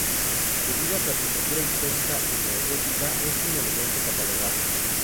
Debido a su arquitectura histórica y neogótica es un monumento catalogado.